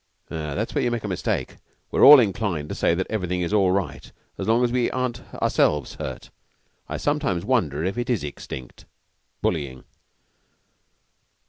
"That's where you make a mistake. We're all inclined to say that everything is all right as long we aren't ourselves hurt. I sometimes wonder if it is extinct bullying."